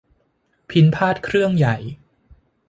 พิณพาทย์เครื่องใหญ่